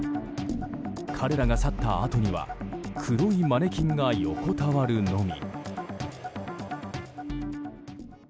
彼らが去ったあとには黒いマネキンが横たわるのみ。